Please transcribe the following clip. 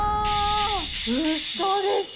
うそでしょ。